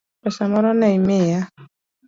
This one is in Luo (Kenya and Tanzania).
Pesa moro ne imiya?